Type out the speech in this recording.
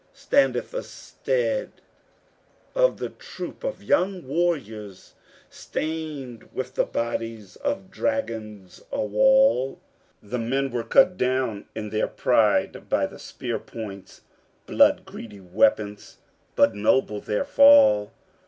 Standeth, instead of the troop of young warriors, Stained with the bodies of dragons, a wall The men were cut down in their pride by the spearpoints Blood greedy weapons but noble their fall.